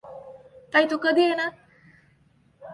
ताई तू कधी येनार?